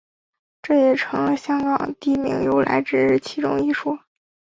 这也成了香港地名由来之其中一说。